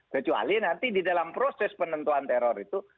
kecuali nanti di dalam proses penentuan teror itu